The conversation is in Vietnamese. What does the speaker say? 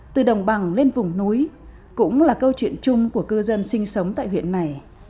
từ đồng bằng lên vùng núi cũng là câu chuyện chung của cư dân sinh sống tại huyện này